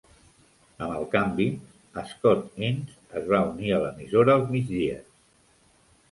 Amb el canvi, Scott Innes es va unir a l'emissora als migdies.